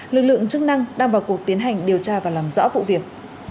lực lượng chức năng đang vào cuộc tiến hành điều tra và làm rõ vụ việc